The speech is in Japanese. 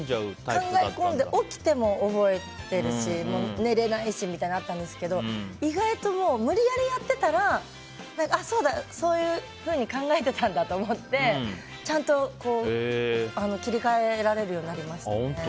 起きても覚えてるし寝れないしみたいなのがあったんですけど意外と無理やりやってたらそうだ、そういうふうに考えてたんだと思ってちゃんと、切り替えられるようになりましたね。